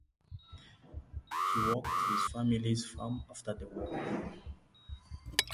He worked his family’s farm after the war.